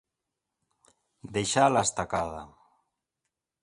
Deixar a l'estacada.